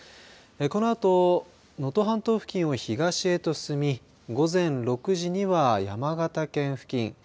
このあと能登半島付近を東へと進み午前６時には山形県付近